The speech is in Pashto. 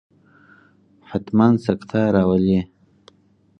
حتما سکته راولي.